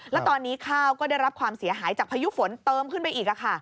แล้วตอนนี้ข้าวก็ได้รับความเสียหายจากพายุฝนเติมขึ้นไปอีก